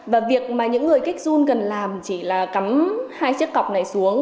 và việc mà những người kích run cần làm chỉ là cắm hai chiếc cọc này xuống